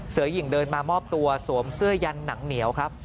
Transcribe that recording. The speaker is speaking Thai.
หญิงเดินมามอบตัวสวมเสื้อยันหนังเหนียวครับ